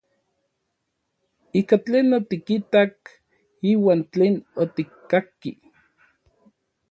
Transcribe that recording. Ika tlen otikitak iuan tlen otikkakki.